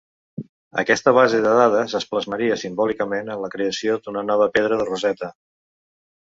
Aquesta base de dades es plasmaria simbòlicament en la creació d'una nova pedra de Rosetta.